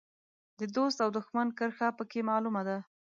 د دوست او دوښمن کرښه په کې معلومه ده.